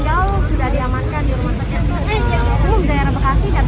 saya kira ini ter depressed